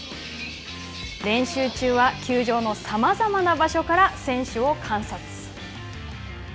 練習中は球場のさまざまな場所から選手を観察。